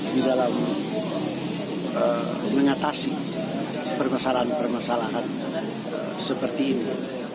di dalam mengatasi permasalahan permasalahan seperti ini